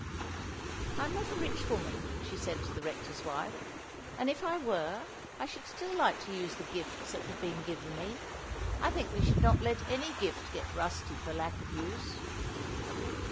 "I am not a rich woman," she said to the rector's wife; "and if I were, I should still like to use the gifts that have been given me. I think we should not let any gift get rusty for lack of use."